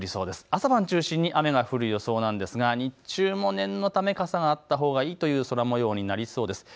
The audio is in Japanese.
朝晩中心に雨が降る予想なんですが日中も念のため傘があったほうがいいという空もようになりそうです。